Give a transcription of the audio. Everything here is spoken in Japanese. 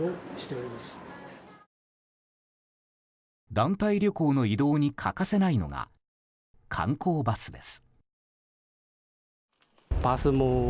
団体旅行の移動に欠かせないのが観光バスです。